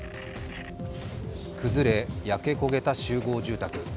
崩れ、焼け焦げた集合住宅。